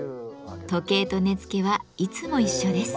時計と根付はいつも一緒です。